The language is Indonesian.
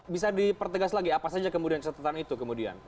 bisa dipertegas lagi apa saja kemudian catatan itu kemudian